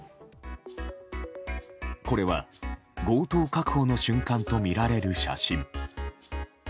これは強盗確保の瞬間とみられる写真。